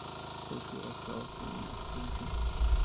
Todo se lleva a cabo bajo una supervisión.